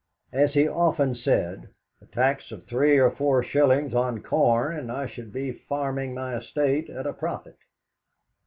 As he often said: "A tax of three or four shillings on corn, and I should be farming my estate at a profit."